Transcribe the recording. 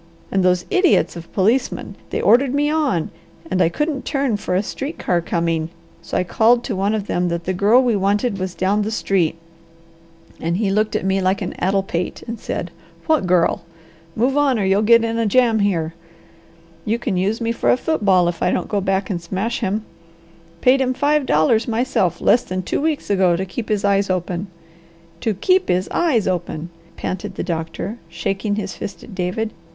And those idiots of policemen! They ordered me on, and I couldn't turn for a street car coming, so I called to one of them that the girl we wanted was down the street, and he looked at me like an addle pate and said, 'What girl? Move on or you'll get in a jam here.' You can use me for a football if I don't go back and smash him. Paid him five dollars myself less than two weeks ago to keep his eyes open. 'TO KEEP HIS EYES OPEN!'" panted the doctor, shaking his fist at David.